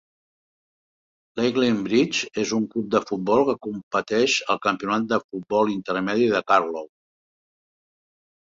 Leighlinbridge és un club de futbol que competeix al Campionat de Futbol Intermedi de Carlow.